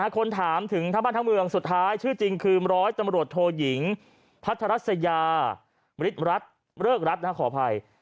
คนถามถึงทั้งบ้านทั้งเมืองสุดท้ายชื่อจริงคือร้อยตำรวจโทยิงพัทรัสยามฤทธรัฐเริกรัฐขออภัย